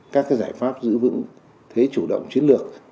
các giải pháp giữ vững thế chủ động chiến lược